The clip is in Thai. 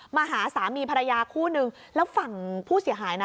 มาหาสามีภรรยาคู่นึงแล้วฝั่งผู้เสียหายนะ